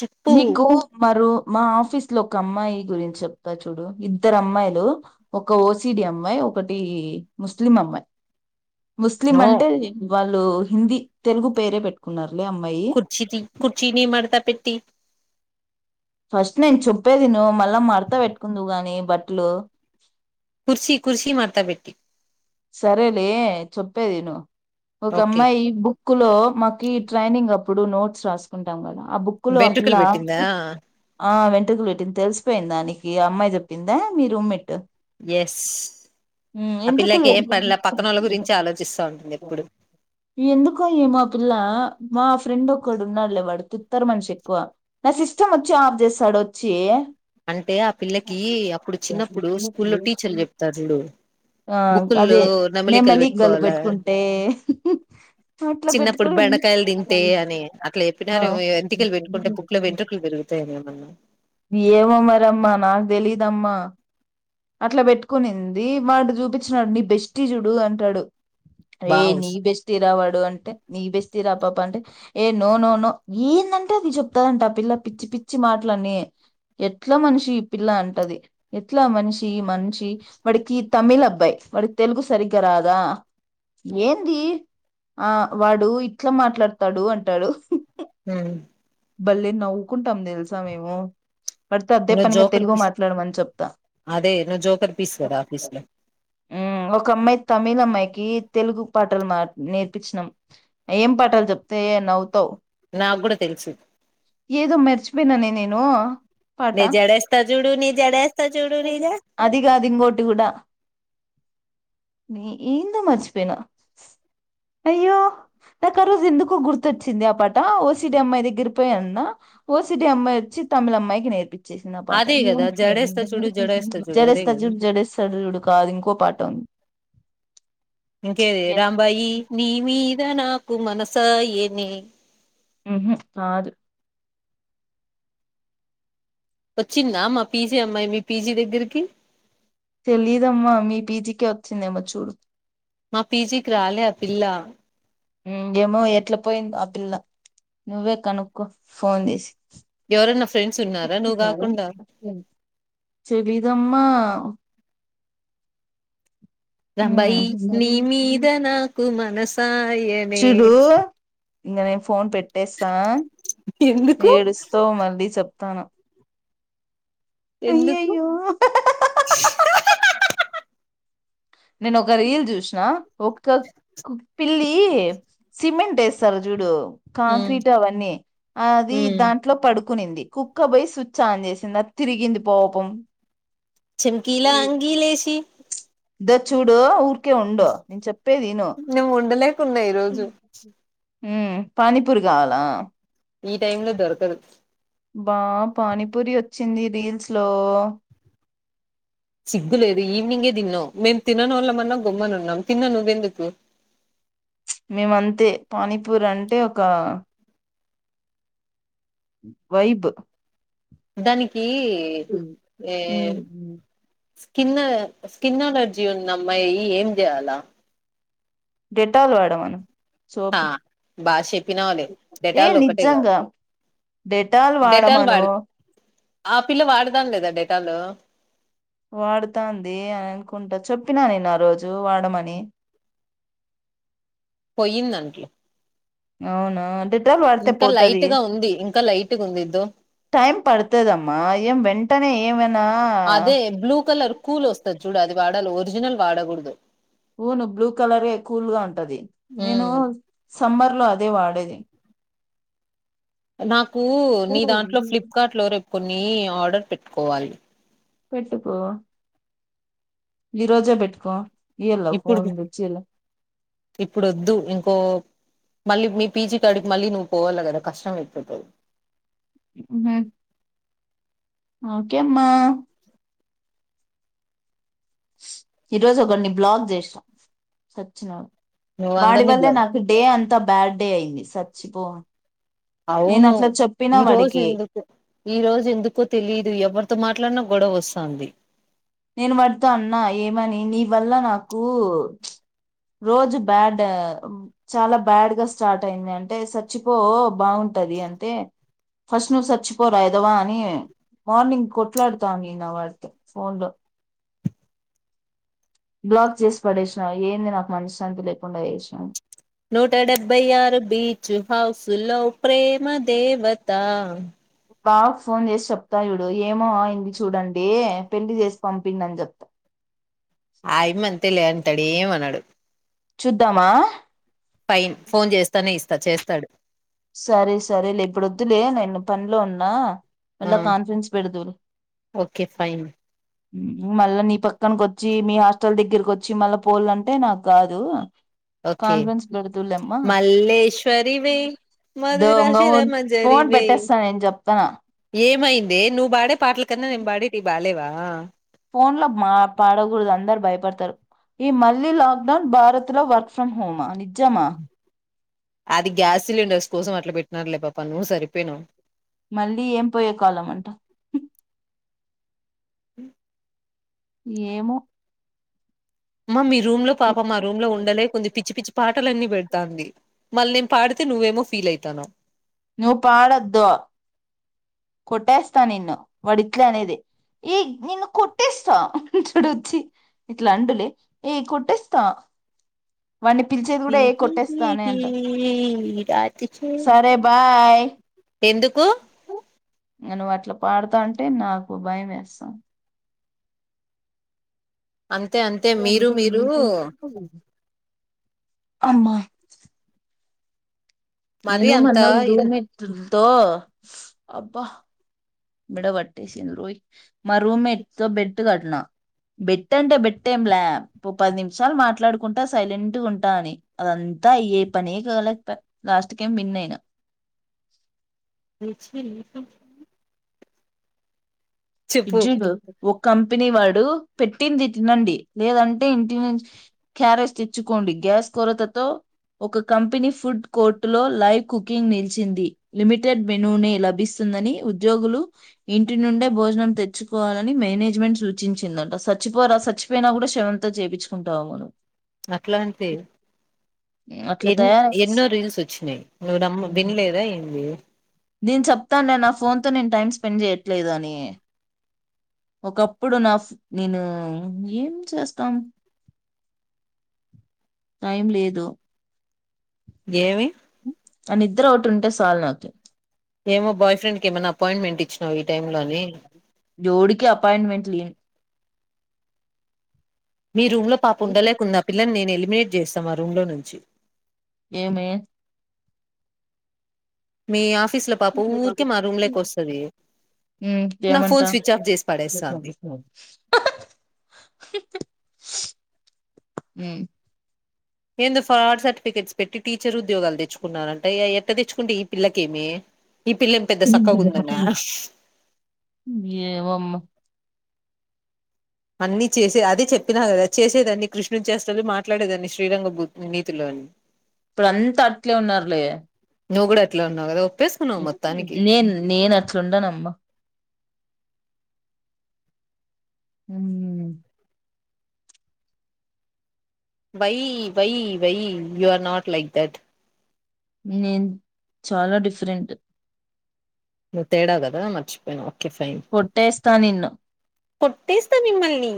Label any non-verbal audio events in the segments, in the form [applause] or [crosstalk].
చెప్పు నీకు మరు మా ఆఫీస్ లో ఒక అమ్మాయి గురించి చెప్తా చూడు ఇద్దరు అమ్మాయిలు ఒక ఓసిడి అమ్మాయి ఒకటి ముస్లిం అమ్మాయి ముస్లిం నో అంటే వాళ్ళు హిందీ తెలుగు పేరే పెట్టుకున్నారు కుర్చీ తీ కుర్చీ ని మడత పెట్టీ ఫస్ట్ నేను చెప్పేది విను మళ్ళా మడతా పెట్టుకుందవు గాని బట్టలు కుర్చీ కుర్సీ మడతబెట్టి సరేలే చేప్పేది విను ఒక ఓకే అమ్మాయి బుక్ లో మాకి ఈ ట్రైనింగ్ అప్పు ఇప్పుడు నోట్స్ రాసుకుంటాం కదా ఆ బుక్కులు ఆ పిల్ల వెంట్రుకలు పెట్టిందా ఆ వె అటుగులు పెట్టింది తెలిసిపోయింది దానికి అమ్మాయి చెప్పిందా మీ రూమ్ మేట్ ఎస్ ఆ పిల్ [unintelligible] ఉంటుంది ఎప్పుడు ఎందుకో ఏమో ఆపిల్ల మా ఫ్రెండ్ ఒక్కడున్నాడులే వాడు తుత్తర మనిషి ఎక్కువ నా సిస్టమ్ వచ్చి ఆఫ్ చేస్తాడు వచ్చి అంటే ఆ పిల్లకి అప్పుడు చిన్నప్పుడు స్కూల్లో టీచర్లు చెప్తారు చూడు ఆ బుక్కుల్లో అదే నమలికలు నెమలీకలు పెట్టుకోవాలా పెట్టుకుంటే అట్లా చిన్నప్పుడు పెట్టుకొని బెండకాయలు తింటే అని [unintelligible] అట్లా ఆ చెప్పినారు వెంటికలు పెట్టుకుంటే బుక్ లో వెంట్రుకలు పెరుగుతాయని ఏమన్నా ఏమో మరిమ్మా నాకు తెలీదమ్మా అట్లా పెట్టుకునింది వాడు చూపి చ్చినాడు నీ బెస్టి చూడు అంటాడు ఏ బావ్ నీ బెస్టి రా వాడ్ డు అంటే నీ బెస్టి పాప అంటే ఏ నో నో నో ఏందంటే అది చెప్తాదంట ఆ పిల్ల పిచ్చి పిచ్చి మాటలన్నీ ఎట్లా మనిషి ఈ పిల్ల అంటది ఎట్లా మనిషి ఈ మనిషి వాడికి తమిళ్ అబ్బాయి వాడికి తెలుగు సరిగ్గా రాదా ఏంది ఆ వాడు ఇట్లా మాట్లాడతాడు అంటాడు భలే నవ్వుకుంటాం తెలుసా మేము పడితే అదే నువ్వు పనిగా జోకర్ తెలుగు పీస్ మాట్లాడమని చెప్తా అదే నువ్వు జోకర్ పీస్ కదా ఆఫీస్ లో ఉమ్ ఒకమ్మాయి తమిళమ్మాయికి తెలుగు పాటలు మా నేర్పిచ్చినాం ఏం పాటలు చెప్తే నవ్వుతావు నాకు కూడా తెలుసు ఏదో మెర్చిపోయినానే నేను పాట నే జడేస్తా చూడు నీ జడేస్తా చూడు నీ జ అది కాదు ఇంకోటి కూడా నీ ఏందో మర్చిపోయినా అయ్యో నాకు ఆ రోజు ఎందుకో గుర్తొచ్చింది ఆ పాట ఓ సి డి అమ్మాయి దగ్గిరిపోయి అన్న ఓ సి డి అమ్మాయి వచ్చి తమిళమ్మాయికి నేర్పిచ్చేసి అదే కదా జడేస్తా చూడు జడేస్తా చూడు అదే జడేస్త కదా చూడు జడేస్త చూడు కాదు ఇంకో పాట ఉన్ ఇంకేది రాంబాయి నీ మీదనా కు మనసాయనే మ్ హూ కాదు వచ్చిందా మా పీ జీ అమ్మాయి మీ పీ జీ దగ్గరికి తెలీదమ్మా మీ పీ జీ కే వచ్చిందేమో చూడు మా పీ జీ కి రాలే ఆ పిల్ల ఏమో ఎట్ల పోయిందో ఆ పిల్ల నువ్వే కనుక్కో ఫోన్ చేసి ఎవరన్నా ఫ్రెండ్స్ ఉన్నారా నువ్వు కాకుండా తెలీదమ్మా రాంబాయి నీ మీద నాకు మ నసా య్యెనే ఇంక నేను ఫోన్ పెట్ ట్టేస్తా ఎందుకు ఏడుస్తావ్ మళ్ళీ చెప్తాను ఎందుకు అయ్యయ్యో నేను ఒక రీల్ చూసిన ఒక పిల్లి సిమెంట్ వేస్తారు చూడు ఉమ్ కాంక్రీట్ అవన్నీ అది ఉమ్ దాంట్లో పడు కునింది కుక్క పోయి స్విచ్ ఆన్ చేసిందా తిరిగింది పాపం చంకీలా అంగీలేసి ద చూడో ఊర్ నె ఉండలేకున్నా ఈరోజు ఉ పానీపూరి కావాలా ఈ టైమ్ లో దొరకదు బా పానీపూరి వొచ్చింది రీల్స్ లో సిగ్గులేదు ఈవినింగే తిన్నావ్. మేము తిననో ళ్ళమన్నా గమ్మనున్నాం తిన్నా నువ్వెందుకు మేమ అంతే పానీపూర్ అంటే ఒక వైబ్ దానికి కీ ఏరు స్కిన్ స్కిన్ అలర్జీ ఉంది అమ్మాయి ఏం చేయాలా డెటాల్ వాడమను ఆ సోప్ బాగా చెప్పినావులే ఏ డెటాల్ ఒకటే కాదు నిజంగా డెటాల్ డెటాల్ వాడమను వాడి ఆ పిల్ల వాడదాంది కదా డెటాలు వాడుతాంది అని అనుకుంటా చెప్పినా నేను ఆ రోజు వాడమని పొయ్యిందంట్లే అవునా అంటే వాడితే పోతది లైట్ గా ఉంది ఇంకా లైట్ గా ఉంది ఇద్దో టైం పడుతదమ్మా ఏం వెంటనే ఏమైనా వాడాల ఒరిజినల్ వాడగూడదు వూను బ్లూ కలరే కూల్ గా ఉంటది నేను ఉమ్. సమ్మర్ లో అదే వాడేది దె నా కు నీ దాంట్లో ఫ్లిప్ కార్ట్ లో రేప్ ని ఆర్డర్ పెట్టుకోవాలి పెట్టుకో ఈ రోజే పెట్టుకో ఇయ్యల్ల ఇప్పుడు ఫోన్ తెచ్చియల్ల ఇప్పుడు వొద్దు ఇంకో మళ్ళీ మీ పీజీ కాడికి మళ్ళీ నువ్వు పోవాలి కదా కష్టం అయిపోతాది గుడ్ నై ఓకే అమ్మా ఈరోజు ఒకన్ని బ్లాక్ చేస్నా సచ్చినడు నువ్వు వాడి అందరినీ బ్ల వల్లే నాకు డే అం అంత బ్యాడ్ డే అయింది సచ్చిపో నేను అవును అట్లా చెప్పినా ఈ రోజు వాడికి ఎందుకు ఈ రోజు ఎందుకో తెలిదు ఎవరితో మాట్లాడినా గొడవ వస్తాంది నేను వాడితో అన్నా ఏమని నీ ఇ వల్ల నాకూ రోజు బ్యాడ్ చాల బ్యాడ్ గా స్టార్ట్ అయింది అంటే చచ్చిపో బాగుంటది అంటే ఫస్ట్ నువ్వు చచ్చిపోరా ఎదవా అని మార్నింగ్ కొట్లాడుతావు అని వినబడతాంది ఫోన్ లో బ్లాక్ చేసి పడేసి నా ఏంది నాకు మనశ్శాంతి లేకుండా చేసినాం నోట డెబ్బై ఆరు బీచ్ హౌస్ తుల్లో ప్రేమ దేవత బావ్ ఫోన్ చేసి చెప్తా చూడు ఏమో అయింది చూడండి పెళ్లి చేసి పంపింది అని చెప్తా ఆయ మన్ తెలియంటడె ఏమనడు చుద్దామా ఫైన్ ఫోన్ చేస్తానే ఇస్త చేస్తాడు సరే సరె లే ఇప్పుడు వద్దులే నేన్ పనిలో ఉన్నా ఆ వాళ్ల కాన్ఫరెన్స్ పెడుదురు ఓకే ఫైన్ మళ్ళా నీ పక్కన కు వచ్చి మీ హాస్టల్ దెగ్గరకి వచ్చి మళ్ళా పోలంటే నాకు కాదు ఓకే కాన్ఫరెన్స్ పెడుదులె అమ్మా మధుర శేర మ జరిమి నేను చెప్తాన ఏమైందె నువ్వు పాడే పాటల కన్నా నేను పాడేటి బాడ అలెవా ఫోన్ లో మా పాడకూడదు అందరు భయపడతారు ఈ మళ్లీీ లాక్డౌన్ భారత్ లో వర్క్ ఫ్రమ్ హోమ్ అది నిజమ అది గ్యాస్ సిలిండర్స్ కోసం అట్ల పెట్టినారులే పాప నువ్వు సరిపోయినావు మళ్ళీ ఏం పోయే కాలం అట హుమ్ ఏమో మమ్మి రూమ్ లో పాప మా రూమ్ లో ఉండదె కొద్ది పిచ్చి పిచ్చి పాటలన్నీ పెడతాంది మళ్ళీ పాడితే నువ్వేమో ఫీల్ అయి తన్నావ్ నువ్ పాడొద్దు కొట్టేస్తా నిన్ను వడిట్లే అనేది ఈ నిన్ను కొట్టేస్తా చుడు వచ్చి ఇట్లా అడులే ఈ కొట్టేస్తా వాడిని పిలిచేద్ కూడా ఏ కొట్టేస్తానే అంట సరే బాయ్ హె ఎందుకు నేను అట్ల పాడతాంటే నాకు భయం వేస్తాను అంతె అంతె మీరు మీరు అమ్మ మరీ నేను అంత మన్నా ఇది ముదుగనే ఇతు తో అబ్బ విడ పట్టేసిను రోయ్ మా రూమ్మేట్ తో బెట్ కట్నా బెట్ అంటే బెట్టేం ల్యా ఇ పది నిమిషాలు మాట్లాడుకుంటా సైలెంట్ ఉంటా అని అదంతా అయ్యే పనే కాాల లాస్ట్ కేం విన్ అయిన రెచ్ మీరు ఇడ్ చెప్పు జుడు కంపెనీ వాడు పెట్టింది తినండి లేదంటే ఇంటి ను క్యారేజ తెచ్చుకోండి గ్యాస్ కొరతతో ఒక కంపెనీ ఫుడ్ కోర్టు లో లైవ్ కుకింగ్ నిలిచింది లిమిటెడ్ మెనుూ ని లభిస్తుందని ఉద్యోగులు ఇంటి నుండే భోజనం తెచ్చుకోవాలని మేనేజ్మెంట్ సూచించిందంట చచ్చిపోరా చచ్చిపోయినా కూడా శవంతో త చేపిన్చుకుంటావు ఏమో నువ్ అట్లా అంటె అట్లా ఎ తయారై ఎన్నో రీల్స్ వచ్చినాయి నువ్వు నమ్మ వినలేదా ఏంటీ నేను చెప్తా నే నా ఫోన్ తో నేను టైం స్పెండ్ చేయట్లేదు అని ఒకప్పుడు నా నేను ఏం చేస్తం టైం లేదు ఏమి న నిద్ర ఒటి ఉంటే సాల్ నాకి ఏమో బాయ్ ఫ్రెండ్కి ఏమన్న అపాయింట్మెంట్ ఇచ్చినావ్ ఈ టైమ్ లో అని జోడికి అపాయింట్మెంట్ లే మీ రూమ్ లో పాప ఉండలేకుంన్న పిల్లని నేను ఎలిమినేట్ చేస్తాం ఆ రూమ్ లో నుంచి ఏమీ మీ ఆఫ ఏ నా ఫోన్ స్విచ్ ఆఫ్ చేసి పడేస్తాంది ఏమంట హమ్ ఏందుో ఫ్రాడ్ సర్టిఫికేట్స్ పెట్టి టీచర్ ఉద్యోగాలు తెచ్చుకున్నారంట ఎట్ట తెచ్చుకుంటే ఈ పిల్లకేమీ [unintelligible] ఏమో అమ్మ అన్ని చేసే అదే చెప్పిన కదా చేసేదాన్ని కృష్ణుని చేస్తలు మాట్లాడేదన్ని శ్ శ్రీరాంగ నీతిలు అని ఇప్పుడు అంత అట్లే ఉన్నారులే నువ్ గూడ అట్లే ఉన్నావ్ కద నేను నేను అట్లడున్నమ్మ హమ్ why why why you are not like that నేను చాలా డిఫరెంట్ నువ్ తేడ గద మర్చిపోయినవ ఫైన్ కొట్టేస్తా నిన్ను కొట్టేస్త మిమ్మల్ని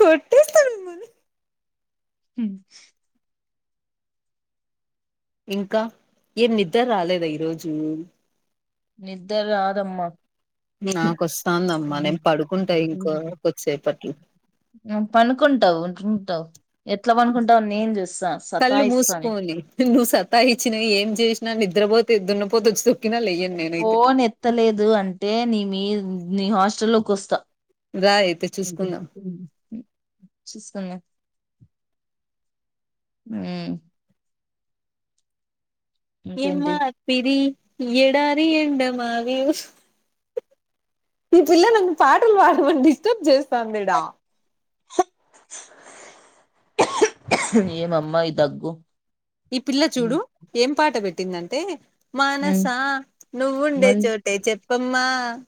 కొటెస్తను మిం హమ్ ఇంకా ఏం నిద్ధర్ రాలేద ఈరోజు నిద్ర రాదమ్మ నాకొస్తాందమ్మా నేను పడుకుంటా ఇంకో కొద్దిసేపట్లో పనుకుంటవ్ వుంటవ్ కళ్ళు సతాయిస్తాను మూసకొని నువ్వు సత్తా ఇచ్చిన ఏం చేసిన ని నిద్రపోతే దున్న పోతోచ్ ఫోన్ ఎత్తలేదు అంటే నీ మీ నీ హాస్టల్ లోకోస్త. రా అయితే చూసుకుందాం [unintelligible] చూసుకుందాం హమ్ ఇంకేంటి ఏమ్మా తిరి ఎడారి ఎండమావి ఓస్ ఈ పిల్ల నన్ను పాటలు పాడమని డిస్టర్బ్ చేస్తాంది ఈడ ఏమమ్మా ఈ దగ్గు ఈ పిల్ల చూడు ఏం పాట పెట్ పెట్టింది అంటే హ్మ్ మనసా నువ్వుండే చోటే చెప్పమ్మా ఆ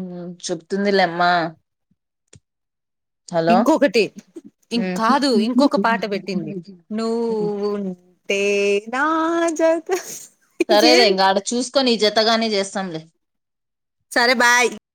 ఊ చెప్తుంది లేమ్మా ఇంకొకటి ఇం హ్మ్ కాదు ఇంకొక పాట పెట్టింది నువ్ ఉంటే నా జత సరేలేే ఏం ఇంకాడ చూసుకొని నిజత అత్తగానే చేస్తాంలే సరే బాయ్